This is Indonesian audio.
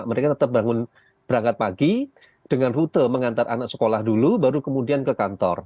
mereka tetap berangkat pagi dengan rute mengantar anak sekolah dulu baru kemudian ke kantor